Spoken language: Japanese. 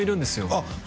あっ